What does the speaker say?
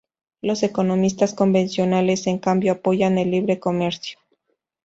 Los economistas convencionales en cambio apoyan el libre comercio.